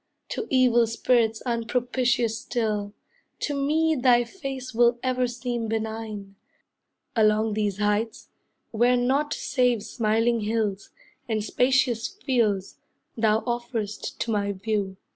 To evil spirits unpropitious still, To me thy face will ever seem benign, Along these heights, where nought save smiling hills, And spacious fields, thou offer'st to my view.